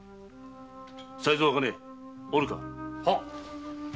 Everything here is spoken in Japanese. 才三茜おるか。